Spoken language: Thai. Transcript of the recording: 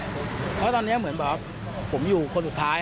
เพราะตอนนี้เหมือนแบบผมอยู่คนสุดท้าย